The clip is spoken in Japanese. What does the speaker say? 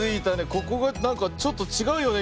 ここがなんかちょっとちがうよね